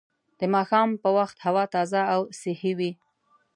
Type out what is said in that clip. د ماښام په وخت هوا تازه او صحي وي